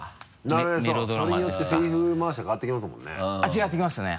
なるへそそれによってセリフ回しが変わってきますもんね。